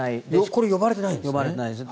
これ呼ばれてないんですね。